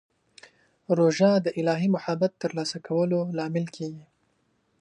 روژه د الهي محبت ترلاسه کولو لامل کېږي.